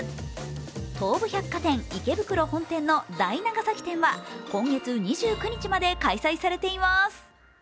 東武百貨店池袋本店の大長崎展は今月２９日まで開催されています。